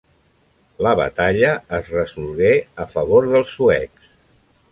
La batalla es resolgué a favor dels suecs.